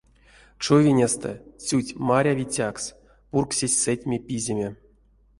Човинестэ, цють марявицякс, пурксесь сэтьме пиземе.